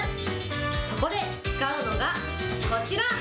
そこで、使うのがこちら。